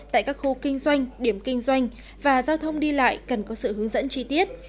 tại các khu kinh doanh điểm kinh doanh và giao thông đi lại cần có sự hướng dẫn chi tiết